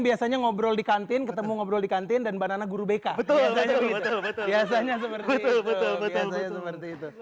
biasanya ngobrol di kantin ketemu ngobrol di kantin dan banana guru bk betul betul betul